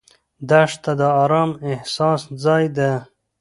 دښته د ارام احساس ځای ده.